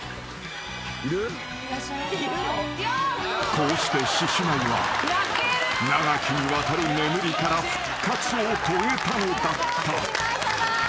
［こうして獅子舞は長きにわたる眠りから復活を遂げたのだった］